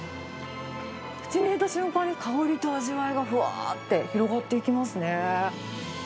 口に入れた瞬間に、香りと味わいがふわーって広がっていきますね。